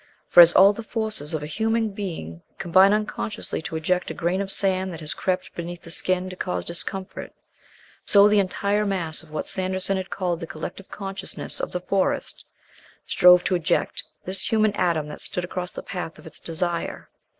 For, as all the forces of a human being combine unconsciously to eject a grain of sand that has crept beneath the skin to cause discomfort, so the entire mass of what Sanderson had called the Collective Consciousness of the Forest strove to eject this human atom that stood across the path of its desire.